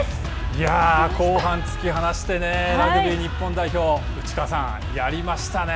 いやー、後半突き放してね、ラグビー日本代表、内川さん、やりましたねえ。